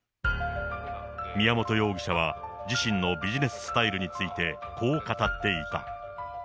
宮本容疑者は自身のビジネススタイルについて、こう語っていた。